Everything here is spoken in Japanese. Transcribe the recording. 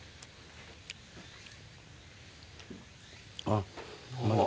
あっ。